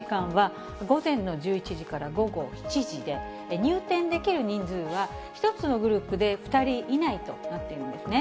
そして提供できる時間は、午前の１１時から午後７時で、入店できる人数は１つのグループで２人以内となっているんですね。